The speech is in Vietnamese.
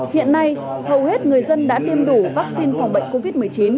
hiện nay hầu hết người dân đã tiêm đủ vaccine phòng bệnh covid một mươi chín